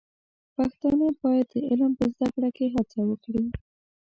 پښتانه بايد د علم په زده کړه کې هڅه وکړي.